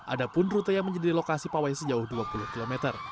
ada pun rute yang menjadi lokasi pawai sejauh dua puluh km